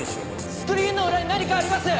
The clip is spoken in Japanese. スクリーンの裏に何かあります。